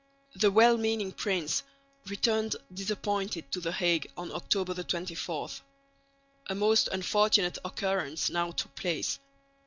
The well meaning prince returned disappointed to the Hague on October 24. A most unfortunate occurrence now took place.